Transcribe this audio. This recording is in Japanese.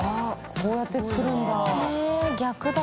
こうやって作るんだ。